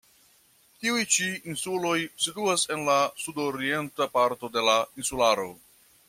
Tiuj ĉi insuloj situas en la sudorienta parto de la insularo.